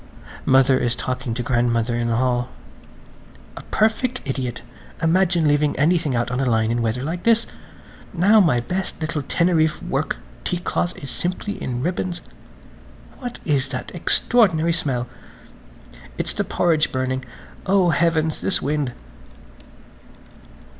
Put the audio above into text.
Mother is talking to grandmother in the hall. "A perfect idiot! Imagine leaving anything out on the line in weather like this. ... Now my best little Teneriffe work teacloth is simply in ribbons. What is that extraordinary smell? It's the porridge burning. Oh, heavens–this wind!"